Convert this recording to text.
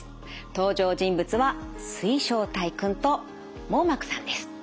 登場人物は水晶体くんと網膜さんです。